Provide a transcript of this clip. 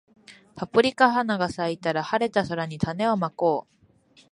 パプリカ花が咲いたら、晴れた空に種をまこう